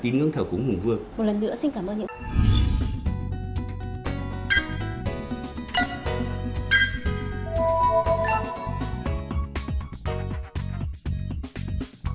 một lần nữa xin cảm ơn